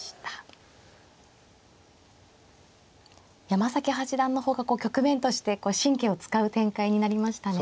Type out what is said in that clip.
山崎八段の方がこう局面として神経を使う展開になりましたね。